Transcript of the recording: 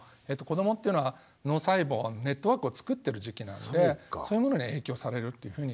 子どもというのは脳細胞ネットワークを作ってる時期なんでそういうものに影響されるというふうに考えられてます。